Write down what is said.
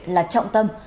là trọng tâm